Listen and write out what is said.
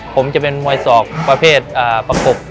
ผมจะเป็นมวยศอกประเภทประกบ